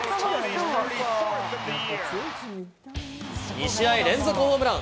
２試合連続ホームラン。